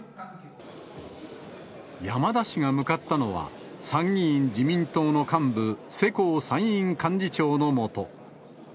山田氏が向かったのは、参議院自民党の幹部、世耕参院幹事長のもと。